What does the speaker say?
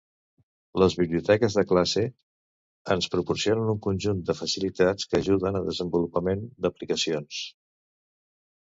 Les biblioteques de classe ens proporcionen un conjunt de facilitats que ajuden al desenvolupament d'aplicacions.